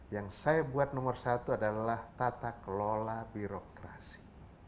yang saya buat nomor satu adalah tata kelola birokrasi